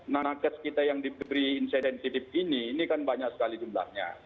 nangkes kita yang diberi insiden tip ini ini kan banyak sekali jumlahnya